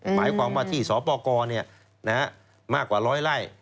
หมายความว่าที่สปกมากกว่า๑๐๐ล้านบาท